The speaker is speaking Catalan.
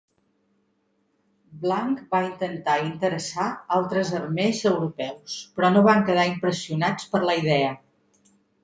Blanc va intentar interessar altres armers europeus, però no van quedar impressionats per la idea.